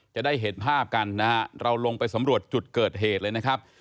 จะได้เห็นภาพกันนะฮะเราลงไปสำรวจจุดเกิดเหตุเลยนะครับ